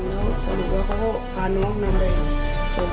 แล้วสนิทเขาก็พาน้องหนึ่งไปส่ง